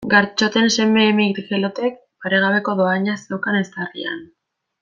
Gartxoten seme Mikelotek paregabeko dohaina zeukan eztarrian.